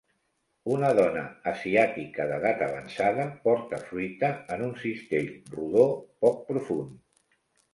Una dona asiàtica d'edat avançada porta fruita en un cistell rodó poc profund.